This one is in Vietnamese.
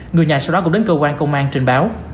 người nhà sau đó cũng đến cơ quan công an trình báo